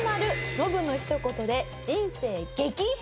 ノブの一言で人生激変！！